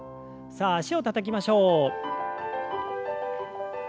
さあ脚をたたきましょう。